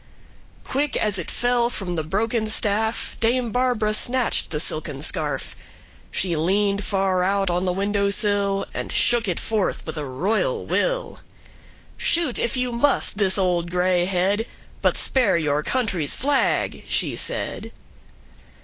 Quick, as it fell, from the broken staffDame Barbara snatched the silken scarf; She leaned far out on the window sill, And shook it forth with a royal will."Shoot, if you must, this old gray head, But spare your country's flag," she said.